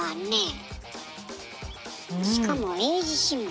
しかも英字新聞。